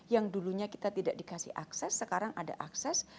yang dulunya kita tidak dikasih akses sekarang ada akses